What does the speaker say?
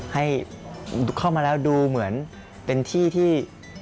ให้เข้ามาแล้วดูเหมือนเป็นที่ที่